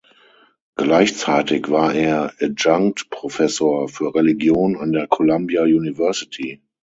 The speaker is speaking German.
Gleichzeitig war er Adjunct Professor für Religion an der Columbia University.